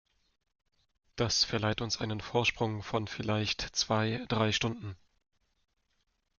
Das verleiht uns einen Vorsprung von vielleicht zwei, drei Stunden.